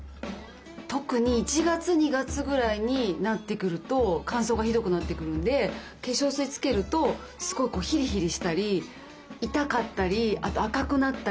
特に１月２月ぐらいになってくると乾燥がひどくなってくるんで化粧水つけるとすごいヒリヒリしたり痛かったりあと赤くなったり。